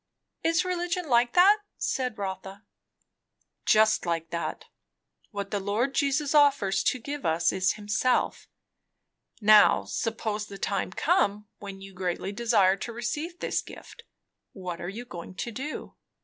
"Is religion like that?" said Rotha. "Just like that. What the Lord Jesus offers to give us is himself. Now suppose the time come when you greatly desire to receive this gift, what are you going to do?"